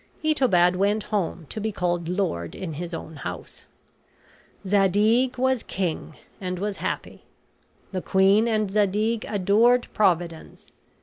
Itobad went home to be called lord in his own house. Zadig was king, and was happy. The queen and Zadig adored Providence.